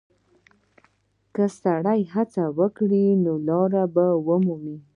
که سړی هڅه وکړي، نو لاره به ومومي.